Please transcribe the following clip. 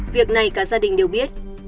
việc này cả gia đình đều biết